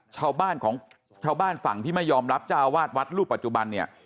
ชาวบ้านของชาวบ้านฝั่งที่ไม่ยอมรับเจ้าอาวาสวัดรูปปัจจุบันเนี่ย